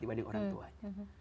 dibanding orang tuanya